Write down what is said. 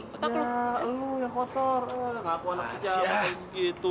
ya lo yang kotor ngaku anak pejabat gitu